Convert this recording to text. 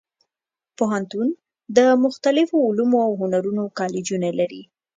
پوهنتون د مختلفو علومو او هنرونو کالجونه لري.